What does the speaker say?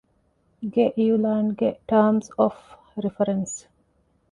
ގެ އިޢުލާންގެ ޓާމްސް އޮފް ރިފަރެންސް